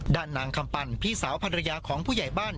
ด้านนางคำปันพี่สาวภรรยาของผู้ใหญ่บ้าน